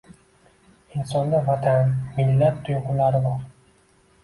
Insonda Vatan, millat, tuygʻulari bor